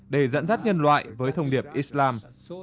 để dẫn dắt nhân loại với thông điệp islam